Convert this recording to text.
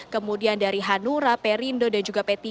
kemudian dari hanura perindo dan juga p tiga